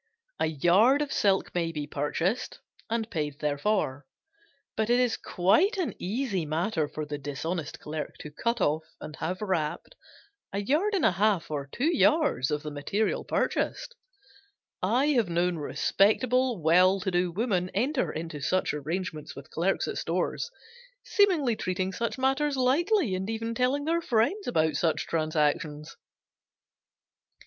A yard of silk may be purchased and paid therefor, but it is quite an easy matter for the dishonest clerk to cut off and have wrapped a yard and a half or two yards of the material purchased. I have known respectable, well to do women enter into such arrangements with clerks at stores, seemingly treating such matters lightly, and even telling their friends about such transactions.